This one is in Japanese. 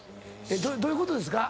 どういうことですか？